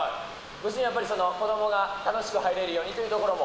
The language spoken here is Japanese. ご主人、やっぱり子どもが楽しく入れるようにというところも？